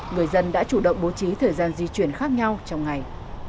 người dân đã chủ động bố trí thời gian di chuyển khác nhau trong ngày